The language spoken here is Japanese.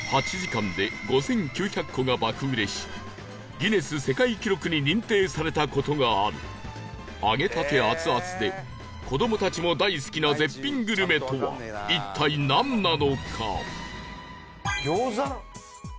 ギネス世界記録に認定された事がある揚げたて熱々で子どもたちも大好きな絶品グルメとは一体なんなのか？